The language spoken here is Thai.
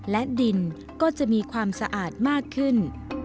และดินก็จะมีความสะอาดมากขึ้น